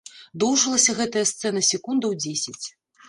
Доўжылася гэтая сцэна секундаў дзесяць.